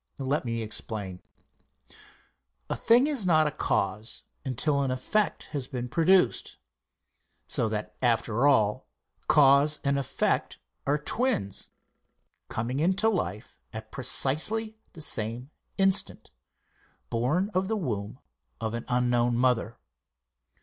Let me explain; a thing is not a cause until an effect has been produced; so that, after all, cause and effect are twins coming into life at precisely the same instant, born of the womb of an unknown mother.